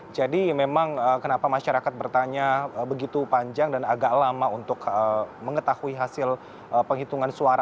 jadi memang kenapa masyarakat bertanya begitu panjang dan agak lama untuk mengetahui hasil penghitungan suara